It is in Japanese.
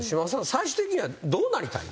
最終的にはどうなりたいん？